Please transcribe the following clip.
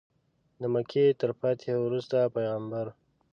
د مکې تر فتحې وروسته پیغمبر.